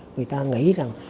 người ta nghĩ rằng